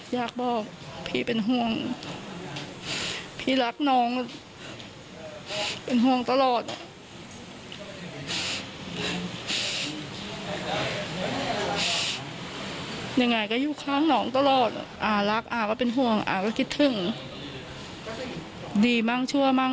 ยากบอกพี่เป็นห่วงพี่รักน้องเป็นห่วงตลอดยังไงก็ค้างกำลังตลอดอารักอาว่าเป็นห่วงอาก็กลิ่นทิ้งดีมั้งชั่วมั้ง